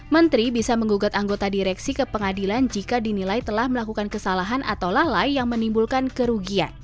menteri bisa menggugat anggota direksi ke pengadilan jika dinilai telah melakukan kesalahan atau lalai yang menimbulkan kerugian